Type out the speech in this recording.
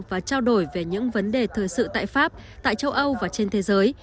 và trao đổi về những vấn đề thời sự tại pháp tại châu âu và trên thế giới